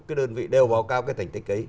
cái đơn vị đều báo cáo cái thành tích ấy